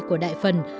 của đại phần